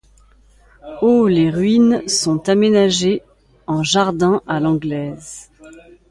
Au les ruines sont aménagées en jardin à l'anglaise.